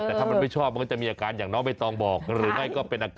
มันจะไม่เดินจริง